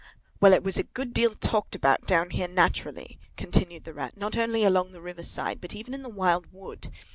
"Well, it was a good deal talked about down here, naturally," continued the Rat, "not only along the river side, but even in the Wild Wood.